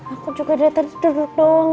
aku juga dari tadi duduk doang